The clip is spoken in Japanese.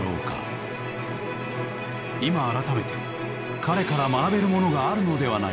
今改めて彼から学べるものがあるのではないか？